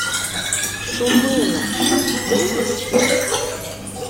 — Шумиле... ти єси?